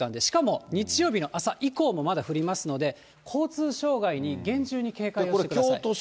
しかも日曜日の朝以降もまだ降りますので、交通障害に厳重に警戒してください。